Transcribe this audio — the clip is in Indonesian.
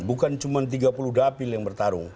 bukan cuma tiga puluh dapil yang bertarung